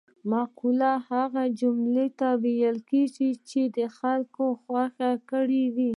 مقوله هغه جملې ته ویل کیږي چې خلکو خوښه کړې وي